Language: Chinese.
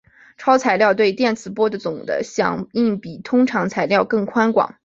超材料对电磁波的总的响应比通常材料更宽广。